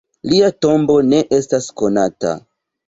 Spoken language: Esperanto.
Lia tombo ne estas konata.